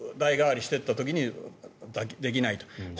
代替わりしたい時にできないと。